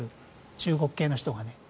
中国系の人がね。